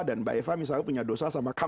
dan mbak eva misalnya punya dosa sama mbak eva